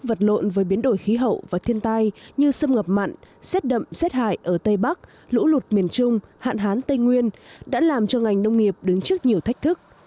các vật lộn với biến đổi khí hậu và thiên tai như sâm ngập mặn xét đậm xét hải ở tây bắc lũ lụt miền trung hạn hán tây nguyên đã làm cho ngành nông nghiệp đứng trước nhiều thách thức